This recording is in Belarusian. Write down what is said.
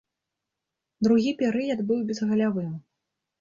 Другі перыяд быў безгалявым.